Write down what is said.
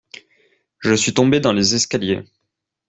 Je suis tombé dans les escaliers.